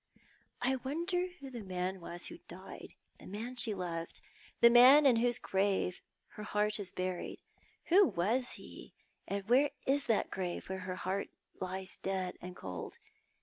I wonder who the man was who died — the man she loved — the man in whose grave her heart is buried ? Who was he, and where is that grave where her heart lies dead and cold?